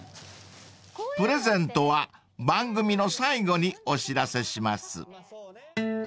［プレゼントは番組の最後にお知らせします］